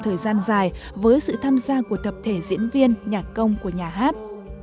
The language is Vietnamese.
thời gian dài với sự tham gia của tập thể diễn viên nhạc công của nhà hát